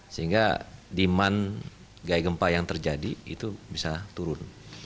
sehingga demand gaya gempa yang terjadi itu bisa turun